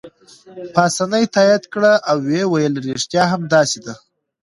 پاسیني تایید کړه او ویې ویل: ریښتیا هم داسې ده.